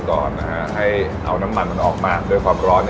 ครับผม